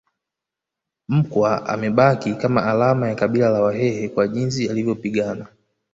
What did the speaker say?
Mkwa amebaki kama alama ya kabila la Wahehe kwa jinsi alivyopigana